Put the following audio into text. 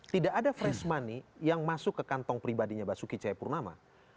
tidak ada fresh money yang masuk ke kantong pribadinya basuki cahayapurnama